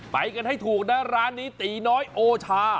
ไปกันให้ถูกนะร้านนี้ตีน้อยโอชา